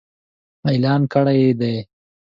اعلان کړي يې دي.